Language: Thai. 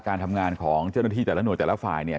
การทำงานของเจ้าหน้าที่แต่ละหน่วยแต่ละฝ่ายเนี่ย